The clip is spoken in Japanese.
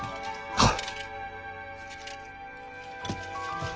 はっ！